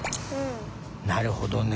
なるほどね。